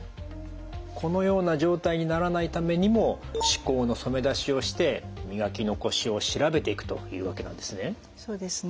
このような状態にならないためにも歯垢の染め出しをして磨き残しを調べていくというわけなんですね。